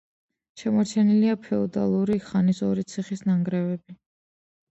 შემორჩენილია ფეოდალური ხანის ორი ციხის ნანგრევები.